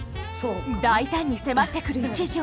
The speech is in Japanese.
大胆に迫ってくる一条。